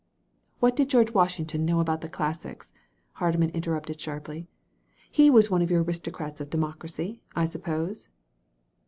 "What did George Washington know about the classics?" Hardman interrupted sharply. "He was one of your aristocrats of democracy, I suppose?"